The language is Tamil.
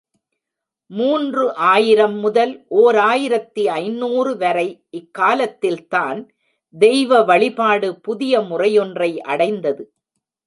மூன்று ஆயிரம் முதல் ஓர் ஆயிரத்து ஐநூறு வரை இக்காலத்தில்தான் தெய்வ வழிபாடு புதிய முறையொன்றை அடைந்தது.